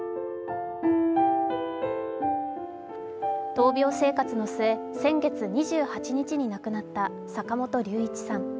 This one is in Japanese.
闘病生活の末、先月２８日に亡くなった坂本龍一さん。